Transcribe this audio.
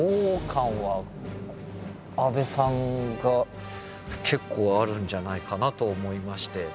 感は阿部さんが結構あるんじゃないかなと思いまして。